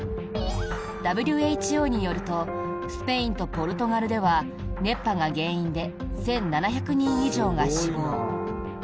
ＷＨＯによるとスペインとポルトガルでは熱波が原因で１７００人以上が死亡。